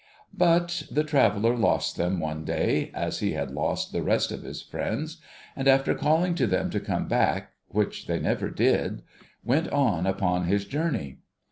But, the traveller lost them one day, as he had lost the rest of his friends, and, after calling to them to come back, which they never did, went on upon his journey.